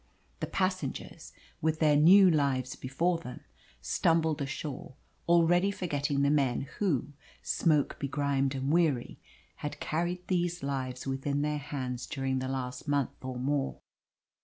The passengers, with their new lives before them, stumbled ashore, already forgetting the men who, smoke begrimed and weary, had carried these lives within their hands during the last month or more.